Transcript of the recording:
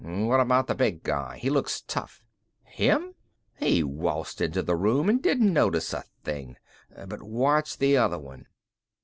"What about the big guy? He looks tough." "Him? He waltzed into the room and didn't notice a thing. But watch the other one."